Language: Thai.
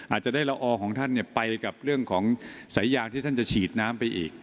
อาจจะได้ละออของท่านไปกับเรื่องของสายยางที่ท่านจะฉีดน้ำไปอีก